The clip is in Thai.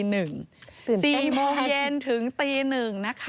๔โมงเย็นถึงตี๑นะคะ